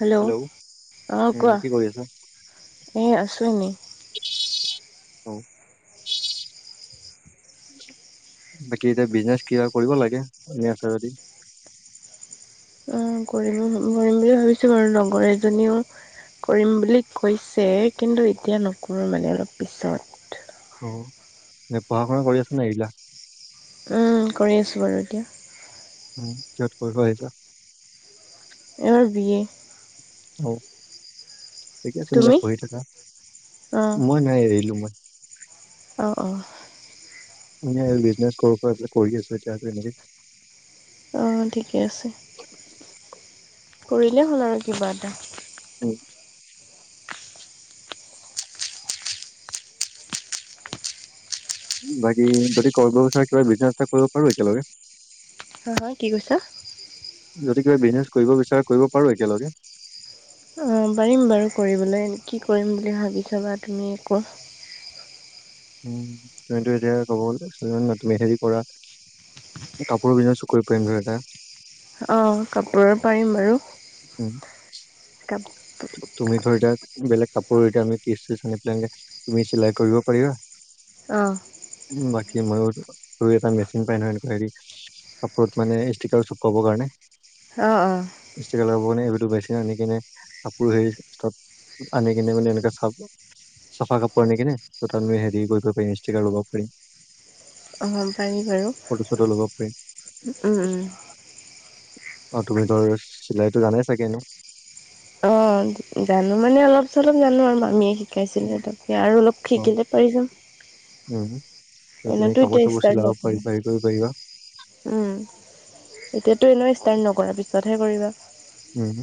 Hello, অ উম কোৱা কি কৰি আছা? এ আছো এনেই- অ বাকী এতিয়া বিজনেচ কিবা কৰিব লাগে, এনে আছা যদি- অ কৰিম কৰিম বুলি ভাবিছো আৰু লগৰ এজনীও- কৰিম বুলি কৈছে কিন্তু এতিয়া নকৰো মানে অলপ পিছত। অ', এ পঢ়া শুনা কৰি আছা নে এৰিলা? উম, কৰি আছো বাৰু এতিয়া। উ কিহত পঢ়িব আহিছা। এবাৰ বি এ। অ ঠিকে মানে তুমি পঢ়ি থাকা, অ মই নাই এৰিলো মই- অ', অ'। মানে বিচনেছ সৰুকৈ আছে, কৰি আছো এতিয়াতো এনেকেই। অ', ঠিকে আছে। [unintelligible] কৰিলে হ'ল আৰু কিবা এটা। উম। বাকী, যদি কৰিব বিচাৰা কিবা বিজনেছ এটা কৰিব পাৰো একেলগে। হা হা, কি কৈছা? যদি কিবা বিজনেছ কৰিব বিচাৰা কৰিব পাৰো একেলগে। অ', পাৰিম বাৰু কৰিবলৈ, কি কৰিম বুলি ভাবিছা বা তুমি আকৌ? উ, তুমিতো এতিয়া ক'ব গ'লে [unintelligible] তুমি হেৰি কৰা কাপোৰৰ বিজনেচ কৰিব পাৰিম দুই এটা। অ', কাপোৰৰ পাৰিম বাৰু। উম, কাপ তুমি ধৰ এতিয়া বেলেগ কাপোৰৰ এতিয়া আমি পিচ-চিচ আনি পেলাই তুমি চিলাই কৰিব পাৰিবা। অ'। উম, বাকী মইয়ো এটা মেচিন পাই নহয় এনেকোৱা হেৰি কাপোৰত মানে ইষ্টিকাৰ চিপকাবৰ কাৰণে। অ', অ'। ইষ্টিকাৰ লগাব কাৰণে, ইটো মেচিন আনি কিনে কাপোৰ হেৰি তাত আনি কিনে মানে এনেকা চাব চফা কাপোৰ আনি কিনে, ত' তাত আমি হেৰি কৰিব পাৰিম ষ্টিকাৰ লগাব পাৰিম। অ', পাৰি বাৰু। ফটো উম, উম। অ', তুমি ধৰ চিলাইতো জানেই চাগে এনেও? অ', জানো মানে অলপ-চলপ জানো আৰু মামিয়ে শি শিকাইছিলে তাতে, আৰু অলপ অ শিকিলে পাৰি যাম। উম, তে তুমি এনেতো এতিয়া কাপোৰ-চাপোৰ ষ্টাৰ্ট চিলাব নকৰা পাৰিবা সেই কৰিব পাৰিবা। উম, এতিয়াতো এনেইও ষ্টাৰ্ট নকৰা, পিছতহে কৰিবা। উম।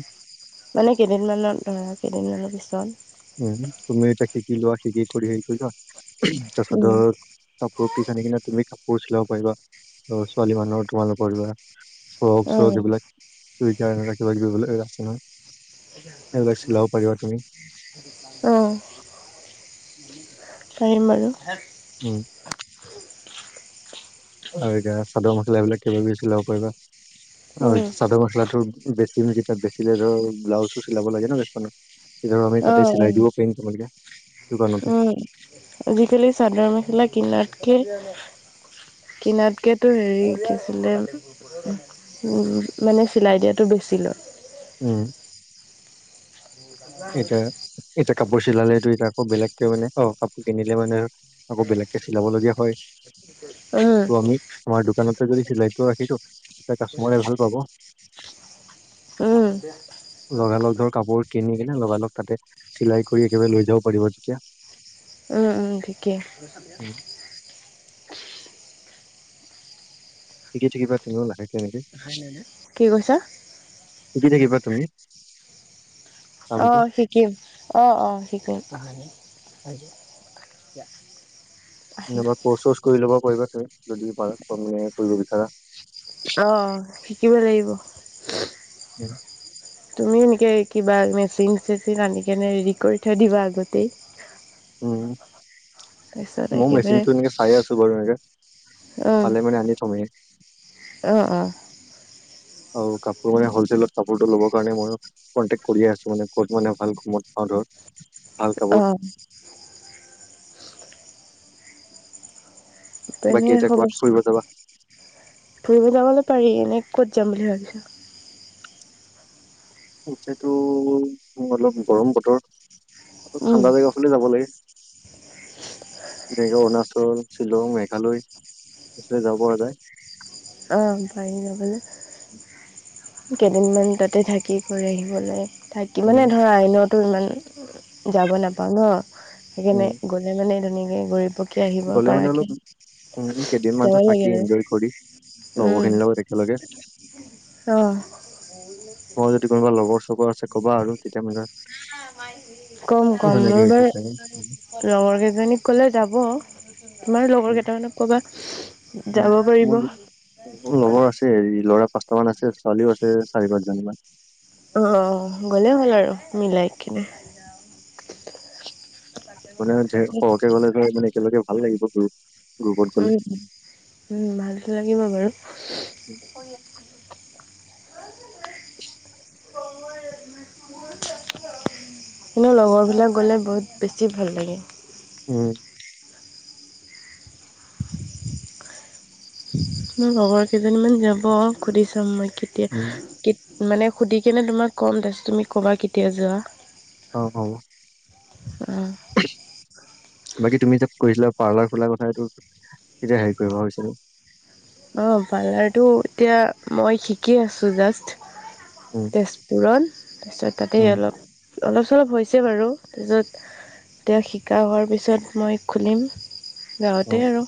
মানে কেইদিনমানৰ ধৰা, কেইদিনমানৰ পিছত। উম, তুমি এতিয়া শিকি লোৱা শিকি কৰি হেৰি কৰি লোৱা, তাৰছত উম। ধৰ কাপোৰৰ পিচ আনি কিনে তুমি কাপোৰ চিলাব পাৰিবা। ছোৱালী মানুহৰ তোমালোকৰ ধৰা অ', ফ্ৰক-চ্ৰক এইবিলাক। [unintelligible] এনেকুৱা কিবা-কিবি এ আছে নহয়, সেইবিলাক চিলাব পাৰিবা তুমি। অ'। [unintelligible] পাৰিম বাৰু। উম। আৰু এতিয়া চাদৰ মখলা বিলাক কিবা-কিবি চিলাব পাৰিবা আৰু এ উম। চাদৰ মেখেলাটো বেছি [unintelligible] বেছিলে ধৰ ব্লাউজও চিলাব লাগে ন এখনৰ? ধৰ আমি তাতে অ', চিলাই অ', দিব পাৰিম তোমালোকে দোকানতে উম, আজিকালি চাদৰ মেখেলা কিনাত কে কিনাতকেতো হেৰি কি আছিলে মানে চিলাই দিয়াটো বেছি লয়। উম। এতিয়া, এতিয়া কাপোৰ চিলালেটো এতিয়া আকৌ বেলেগ ত মানে অ, কাপোৰ কিনিলে মানে আকৌ বেলেগকে চিলাব লগীয়া হয়। উম, ত আমি আমাৰ দোকানতে যদি চিলাইটো ৰাখিথওঁ তেতিয়া কাষ্টমাৰে ভাল পাব। উম। লগালগ ধৰ কাপোৰ কিনি কিনে লগালগ তাতে চিলাই কৰি একেবাৰে লৈ যাব পাৰিব তিতিয়া। উম উম ঠিকে। উম শিকি থাকিবা তুমিও লাহেকে এনেকে, কি কৈছা? শিকি থাকিবা তুমি। অ কামটো শিকিম অ অ শিকিম। আহিল কৰ্চ চচ কৰি ল'ব পাৰিবা তুমি যদি পাৰা মানে কৰিব বিচাৰা। অ শিকিব লাগিব। উম, তুমিও এনেকৈ কিবা মেচিন চেচিন আন কেনে ৰেডি কৰি থৈ দিবা আগতেই। উম। তাৰপিছত মই একেবাৰে মেচিনতটো এনেকে চাই আছো বাৰু এনেকে অ', পালে মানে আনি থমে। অ অ, আৰু কাপোৰ মানে হ'লচেলত, কাপোৰটো ল'ব কাৰণে মইও কণ্টেক্ট কৰি আছোঁ মানে ক'ত মানে ভাল কামত পাওঁ ধৰ। ভাল কাপোৰ। অ', বাকী এনে এতিয়া হব, ক'ৰবাত ফুৰিব যাবা ফুৰিব যাবলৈ পাৰি এনে ক'ত যাম বুলি ভাবিছা। এতিয়া তো অলপ গৰম বতৰ, অলপ উম, ঠাণ্ডা জেগা ফালে যাব লাগে। যেনেকে অৰুণাচল, শ্বিলং, মেঘালয়, এইফালে যাব পৰা যায়। অ পাৰী যাবলে। কেইদিনমান তাতে থাকি কৰি আহিব লাগে, উম, কিমানে ধৰা আইনেওতো ইমান যাব নাপাওঁ ন উম, সেইকাৰণে মানে-মানে ধুনীয়াকে ঘৰি পকী আহিব গ'লে মানে অলপ পাৰাকে, উম, কেইদিনমানতো যাব লাগে আৰু [unintelligible] উম, লগৰখিনিৰ লগত একেলগে অ। তোমাৰ যদি কোনোবা লগৰ চবৰ আছে ক'বা আৰু তেতিয়া মানে কম কম ধুনীয়াকে মোৰ হৈ যাব বাৰু পাৰিম। উম, লগৰ কেইজনীক ক'লে যাব। তোমাৰ লগৰ উম, কেইটামানক ক'বা উম। যাব পাৰিব। মোৰ মোৰ লগৰ আছে হেৰি ল'ৰা পাঁচটা মান আছে, ছোৱালীও আছে চাৰি পাঁচজনি মান। অ, গ'লেই হ'ল আৰু মিলাই কিনে। মানে সৰহকে গ'লে ধৰ মানে একেলগে ভাল লাগিব ঘূৰি উম উম ভাল লাগিব বাৰু [unintelligible] [inaudible] কিন্তু লগৰবিলাক গ'লে বহুত বেছি ভাল লাগে। উম [unintelligible] মোৰ লগৰ কেইজনীমান যাব সুধি চাম মই কেতিয়া, উম, মানে সুধিকেনে তোমাক কম তাৰপাছত তুমি ক'বা কেতিয়া যোৱা। অ হব অ বাকী তুমি যে কৈছিলা, পাৰ্লাৰ খোলাৰ কথা এইটো কেতিয়া হেৰি কৰিব ভাবিছিলি, অঁ পাৰ্লাৰটো এতিয়া মই শিকি আছোঁ জাষ্ট, উম, তেজপুৰ তাৰপিছত তাতেই উম, অলপ, অলপ চলপ হৈছে বাৰু তাৰপিছত এতিয়া শিকা হোৱাৰ পিছত মই। খুলিম। গাঁৱতে উম, আৰু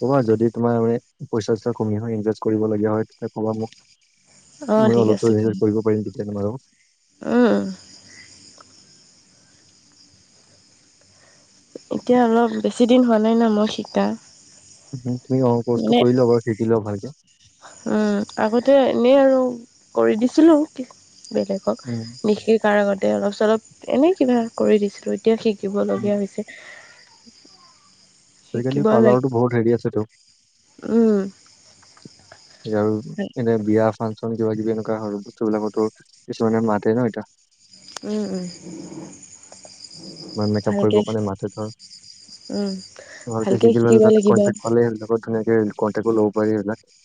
ক'বা যদি তোমাৰ মানে পইচা চইচা কমি‌ হয় ইনভেষ্ট কৰিবলীয়া হয় তেতিয়া ক'বা মোক। অঁ মানে ঠিক অলপ চলপ ইনভেষ্ট কৰিব পাৰিম তেতিয়া তোমাৰ লগত। উম উম, এতিয়া অলপ বেছি দিন হোৱা নাই ন মই শিকা। তুমি অ কৰ্চটো মানে কৰি লোৱা বাৰু শিকি লোৱা ভালকে। আগতে এনেই আৰু কৰি দিছিলোঁ কি বেলেগ, উম নিশিকাৰ আগতে অলপ চলপ এনে কিবা কৰি দিছিলো। এতিয়া উম। শিকিবলগীয়া হৈছে। [unintelligible] শিকিব সেইকাৰণেটো পাৰ্লাৰটো বহুত হেৰি আছেটো। উম। আৰু এনে বিয়া ফাংচন কিবা কিবি এনেকুৱা সৰু বস্তু বিলাকতো কিছুমানে মাতে ন এতিয়া। উম, উম। মানে মেকআপ কৰিবৰ কাৰণে মাতে ধৰ। তোমালোকে ভালকৈ শিকি শিকিব ললে তাত লাগিব কনটেক্ট পালেই হৈ যাব বহুত ধুনীয়াকে কনটেক্টও ল'ব পাৰি সেইবিলাক।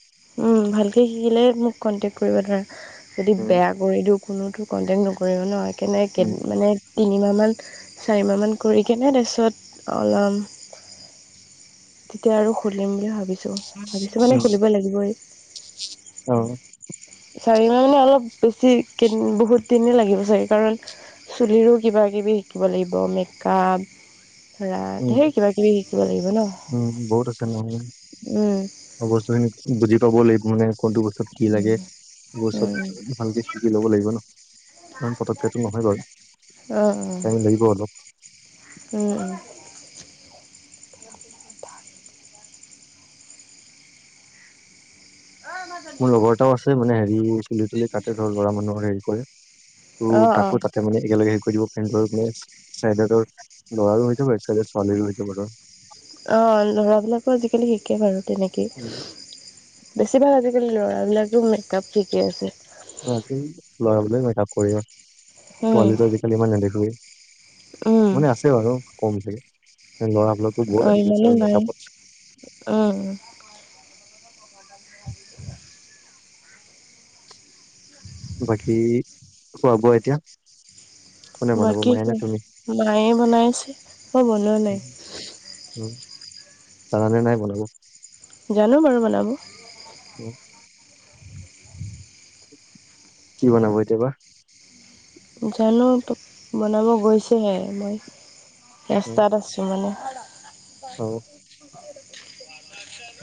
উম ভালকে শিকিলেহে মোক কন্টেক কৰিব। ধৰা যদি উম বেয়া কৰি দিওঁ কোনেওটো কণ্টেক্ট নকৰিব ন। সেইকাৰণে উম এইকেইদিন মানে তিনিমাহমান, চাৰিমাহমান কৰি কেনে তাৰপিছত অলম তেতিয়া আৰু খুলিম বুলি ভাবিছো। ভাবিছো মানে উম, খুলিবই লাগিবই। অ চাৰিমাহ মানে অলপ বেছি কেইদিন বহুত দিনে লাগিব চাগে কাৰণ চুলিৰো কিবা-কিবি শিকিব লাগিব। মেকআপ ধৰা ধেৰ উম কিবা কিবি শিকিব লাগিব ন। উম উম। অ বস্তুখিনি বুজি পাবও লাগিব মানে কোনটো বস্তুত কি লাগে এইবোৰ চব উম ভালকে শিকি ল'ব লাগিব ন। কাৰণ পতককেটো নহয় বাৰু। অ অ উম টাইম লাগিব অলপ। উম। [unintelligible] অ মাজন মোৰ লগৰ এটাও আছে মানে হেৰি চুলি-তুলি কাটে ধৰ ল'ৰা মানুহৰ হেৰি কৰে। ত অ অ তাকো তাতে মানে একেলগে কৰি দিব। [unintelligible] চা এতিয়া তোৰ ল'ৰাৰো হয় যাব, একচাইডে ছোৱালীৰো হয় যাব ধৰ। অ ল'ৰাবিলাকো আজি-কালি শিকে বাৰু তেনেকেই। উম, বেছিভাগ আজি-কালি ল'ৰাবিলাক যে মেক-আপ শিকে যে। পাৰ্টিত ল'ৰাবিলাকে মেক-আপ কৰি দিয়ে। উম। ছোৱালীটো আজি-কালি ইমান নেদেখোৱেই। উম, মানে আছে বাৰু কমকে। মানে ল'ৰাবিলাকো বহুত আহি গৈছে ইমানো নাই মেকাআপত। অ। [inaudible] বাকী খোৱা-বোৱা এতিয়া? কোনে বনাব বাকী মায়ে ক নে তুমি মায়ে বনাই আছে, মই বনোৱা নাই। অ পাৰানে নাই বনাব? জানো বাৰু বনাব। উম। কি বনাব এতিয়া বা? জানো তো বনাব গৈছেহে। মই ৰেস্তাত আছো। ইমানে অ,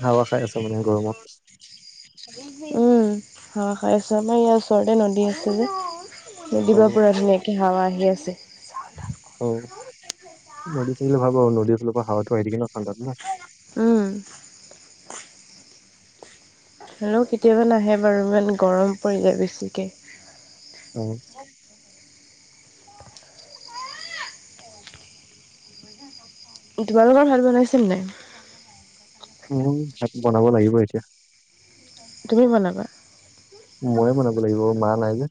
হাৱা খাই আছা মানে গৰমত। উম, হাৱা খাই আছো। আমাৰ ইয়াৰ ওচৰতে নদী আছে যে। অ নদীৰ পাৰৰ পৰা ধুনীয়াকে হাৱা আহি আছে। অও নদী থাকিলে ভাল পাওঁ। নদীৰ ফালৰ পৰা হাৱাটো আহি থাকে ন ঠাণ্ডাত ন। উম। হলেও কেতিয়াবা নাহে বাৰু ইমান গৰম পৰিলে বেছিকে। [unintelligible] তোমালোকৰ ভাত বনাইছিল নাই। উম হো ভাত বনাব লাগিব এতিয়া। তুমি বনাবা? মইয়ে বনাব লাগিব মা নাই যে।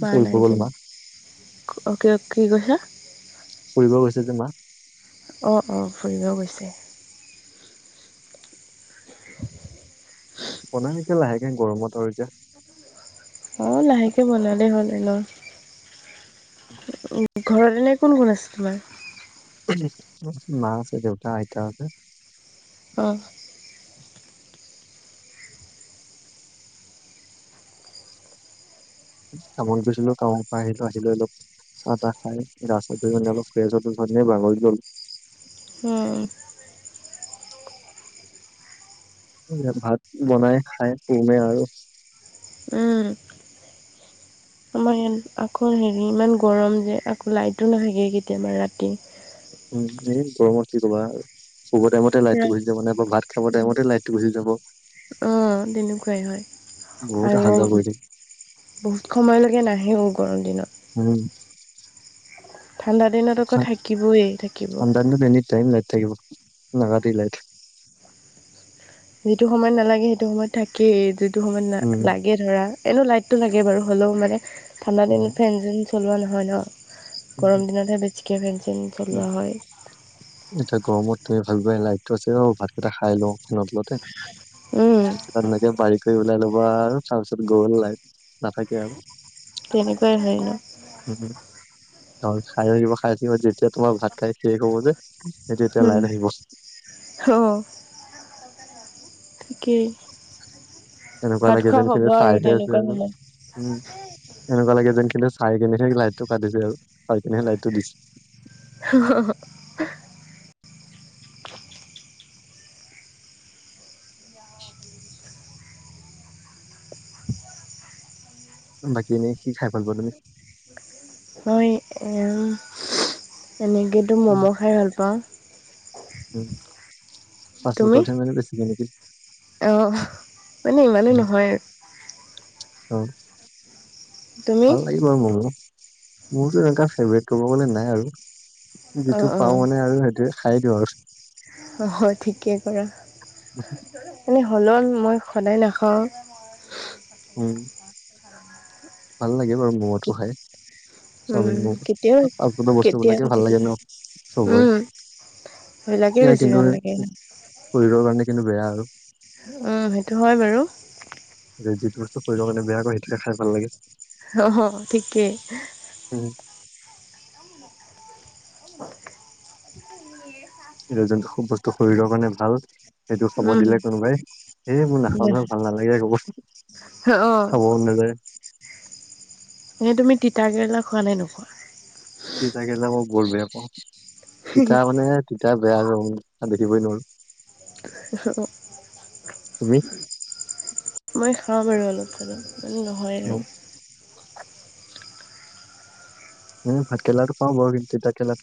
ম ফুৰিব নাই গ'ল যে, মা অ'কে অকে কি কৈছা। ফুৰি গৈছে যে মা অ, অ ফুৰিব গৈছে। [unintelligible] বনাই নেকি লাহেকে গৰমত আৰু এতিয়া। অ লাহেকে বনালে হ'ল। এনেও উ ঘৰত এনে কোন কোন আছে তোমাৰ। মাহ আছে দেউতা, আইতা আছে অ কামত গৈছিলো কামৰ পৰা আহিলো আহিলৈ অলপ। চাহ তাহ খাই ৰাস্তাত গৈ মানে অলপ ফ্ৰেছ হলো [unintelligible] বাগৰি গ'ল উম সেই এতিয়া ভাত বনাই খাই সোমেই আৰু। উম, আমাৰ ইয়াত আকৌ হেৰি ইমান গৰম যে আকৌ লাইটো নাহেগে কেতিয়াবা ৰাতি। উম এই গৰমৰ কি কবা আৰু শুৱ টাইমতে লাইটটো গুচি যাব নে ভাত খাব টাইমতে লাইটটো গুচি যাব। অ তেনেকুৱাই হয়। বহুত আৰু অহা যোৱা কৰি থাকিম বহুত সময়লৈকে নাহেও গৰম দিনত। উম ঠাণ্ডা দিনত আকৌ চা, থাকিবই থাকিব। ঠাণ্ডা দিনত এনিটাইম লাইট থাকিব নাকাটেই লাইট যিটো সময় নালাগে সেইটো সময়ত থাকেই যিটো সময়ত না উম লাগে ধৰা এনো লাইট। টো লাগে বাৰু হ'লেও মানে ঠাণ্ডা উম দিনত ফেন যেন চলোৱা নহয় ন। উম গৰম উম দিনতহে বেছিকে ফেন চেন চলোৱা হয়। এতিয়া গৰমত তুমি ভাবিবাই লাইটটো আছে অ ভাতকেইটা খাই লওঁ ফেনৰ তলতে। উম, তাত এনেকে বাৰী কৰি ওলাই ল'বা আৰু তাৰপিছত গ'ল লাইট নাথাকে আৰু। তেনেকুৱাই হয় ন? উম, খাই হৈ যাব, খাই থাকিব যেতিয়া তোমাৰ ভাত খাই শেষ হব যে। যেতিয়া তেতিয়া লাইন আহিব। অহ কি এনেকুৱা ভাত লাগে যেন খোৱা হব খিনি আৰু চাইহে আছে তেনেকুৱা আৰু সময়। উম এনেকুৱা লাগে যেন কিন্তু চাই কিনে সে লাইটটো কাটিছে আৰু চাই কিনে সে লাইটটো দিছে। অ বাকী এনেই কি খাই ভাল পোৱা তুমি। মই এ এনেকেতো উম মম' খাই ভাল পাওঁ। উম ফাৰ্ষ্ট তুমি? ফুটতে মানে বেছিকে নেকি। অ মানে ইমানো উম, নহয়। অ তুমি? ভাল লাগে। মম' মোৰতো এনেকা ফেভৰেট ক'ব গ'লে নাই আৰু। যিটো অ', পাও অ', মানে আৰু সেইটোৱে খাই দিওঁ আৰু। অ' ঠিকে কৰা এনেই হলোন মই সদায় নাখাওঁ। উম। [unintelligible] ভাল লাগে বাৰু ম'ম'টো খাই। চাওমিন উম' ম'ম' কেতিয়া ফাষ্টফুডৰ বস্তুবিলাকে কেতিয়াবা ভাল লাগে কেতিয়াবা ন চবৰে উম সেইবিলাকে ইয়াৰ বেছি কিন্তু ভাল লাগে। শৰীৰৰ কাৰণে কিন্তু বেয়া আৰু। উম, সেইটো হয় বাৰু। যে যিটো বস্তু শৰিৰৰ কাৰণে বেয়া কৈ সেইটোকে খাই ভাল লাগে। অ' ঠিকেই। উম এতিয়া যোনটো সোপ বস্তু শৰীৰৰ কাৰণে ভাল। সেইটো খব উম। দিলে কোনোবাই এই মই নাখাও নহয় ভাল নালাগে কব অ, খাব মন নাযায় এনে তুমি তিতা কেৰেলা খোৱা নে নোখোৱা। তিতা কেৰেলা মই বহুত বেয়া পাওঁ। তিতা মানে তিতা বেয়া মই দেখিবই নোৱাৰো। অ, তুমি। মই খাওঁ বাৰু অলপ চলপ মানে নহয় আৰু মই মই ভাত কেৰেলাটো পাও বাও কিন্তু তিতা কেৰেলাটো,